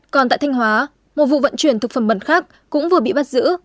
còn tại thanh hóa một vụ vận chuyển thực phẩm bẩn khác cũng vừa bị bắt giữ